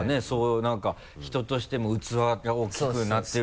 なんか人としても器が大きくなってる感じ